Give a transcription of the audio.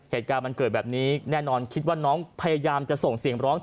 เหตุการณ์มันเกิดแบบนี้แน่นอนคิดว่าน้องพยายามจะส่งเสียงร้อง